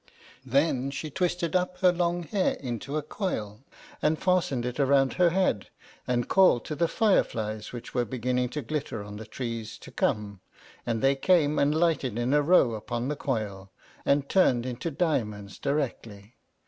Then she twisted up her long hair into a coil, and fastened it round her head, and called to the fire flies which were beginning to glitter on the trees to come, and they came and alighted in a row upon the coil, and turned into diamonds directly.